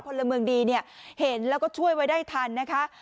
พลเมืองดีเนี่ยเห็นแล้วก็ช่วยไว้ได้ทันนะคะ